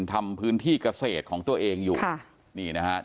ทำพื้นที่เกษตรของตัวเองอยู่ค่ะนี่นะฮะ